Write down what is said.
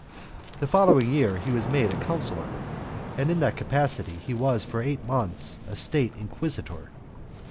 The following year he was made a councillor, and in that capacity he was for eight months a State Inquisitor.